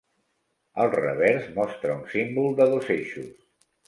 El revers mostra un símbol de dos eixos.